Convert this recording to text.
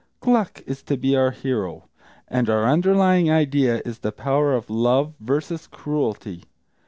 Gluck is to be our hero, and our underlying idea is the power of love versus cruelty.